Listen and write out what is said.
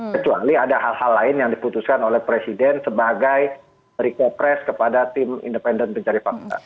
kecuali ada hal hal lain yang diputuskan oleh presiden sebagai rekopres kepada tim independen pencari fakta